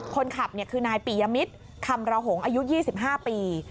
คนขับคือนายปียมิตรคำระหงอายุ๒๕ปี